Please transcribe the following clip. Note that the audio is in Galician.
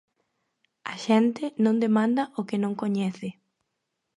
A xente non demanda o que non coñece.